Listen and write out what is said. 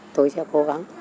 tôi sẽ cố gắng